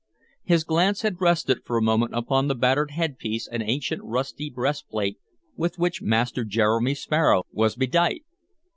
His glance had rested for a moment upon the battered headpiece and ancient rusty breastplate with which Master Jeremy Sparrow was bedight.